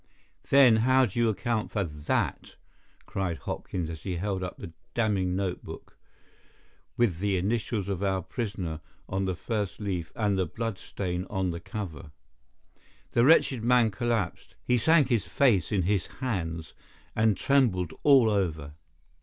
"Then how do you account for that?" cried Hopkins, as he held up the damning notebook, with the initials of our prisoner on the first leaf and the blood stain on the cover. The wretched man collapsed. He sank his face in his hands, and trembled all over.